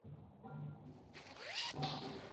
纹胸奥蛛为卵形蛛科奥蛛属的动物。